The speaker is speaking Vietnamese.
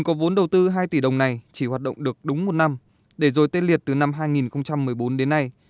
có vốn đầu tư hai tỷ đồng này chỉ hoạt động được đúng một năm để rồi tên liệt từ năm hai nghìn một mươi bốn đến nay